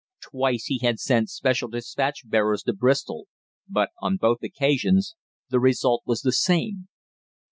Twice he had sent special despatch bearers to Bristol, but on both occasions the result was the same.